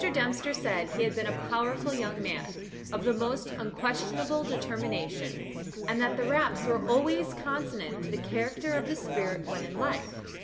Dempster said he had been a powerful young man, of the most unquestionable determination, and that the raps were always consonant to the character of the spirit when in life.